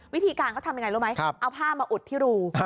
วิธีการเขาทำยังไงรู้ไหมเอาผ้ามาอุดที่รู